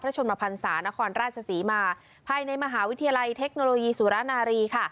ชนมพันศานครราชศรีมาภายในมหาวิทยาลัยเทคโนโลยีสุรนารีค่ะ